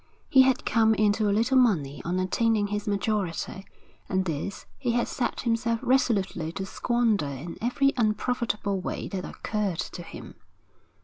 He had come into a little money on attaining his majority, and this he had set himself resolutely to squander in every unprofitable way that occurred to him.